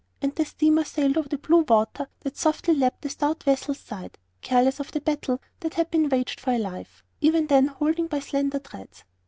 And the steamer sailed over the blue water that softly lapped the stout vessel's side, careless of the battle that had been waged for a life, even then holding by slender threads.